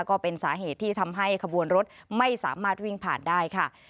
ก็เป็นสาเหตุที่ทำให้ขบวนรถไม่สามารถวิ่งผ่านได้ค่ะ